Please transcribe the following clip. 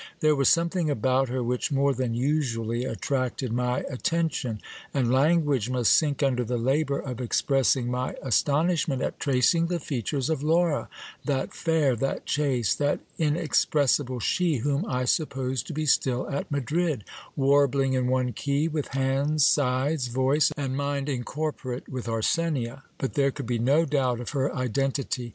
There was something about her which more than usually attracted my attention ; and lan guage must sink under the labour of expressing my astonishment at tracing the features of Laura, that fair, that chaste, that inexpressible she, whom I supposed to be still at Madrid, warbling in one key, with hands, sides, voice, and mind in corporate with Arsenia. But there could be no doubt of her identity.